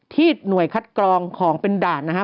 หน่วยคัดกรองของเป็นด่านนะฮะ